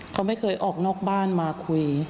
เขาไม่เคยออกนอกบ้านมาคุย